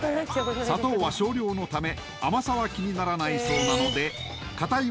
砂糖は少量のため甘さは気にならないそうなのでかたい